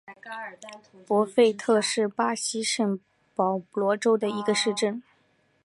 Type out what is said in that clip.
博费特是巴西圣保罗州的一个市镇。